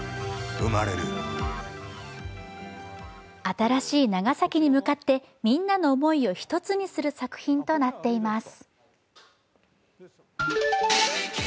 新しい長崎に向かって、みんなの思いを１つにする作品となっています。